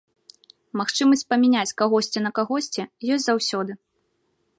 Магчымасць памяняць кагосьці на кагосьці ёсць заўсёды.